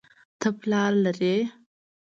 ته پلار لرې